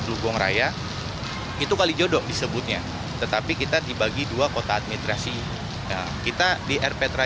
dugong raya itu kalijodo disebutnya tetapi kita dibagi dua kota administrasi kita di rptra